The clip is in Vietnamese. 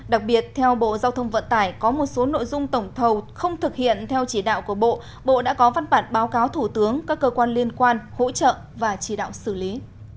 đặc biệt theo bộ giao thông vận tải có một số nội dung tổng thầu không thực hiện theo chỉ đạo của bộ bộ đã có văn bản báo cáo thủ tướng các cơ quan liên quan hỗ trợ và chỉ đạo xử lý